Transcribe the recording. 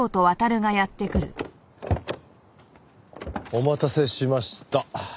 お待たせしました。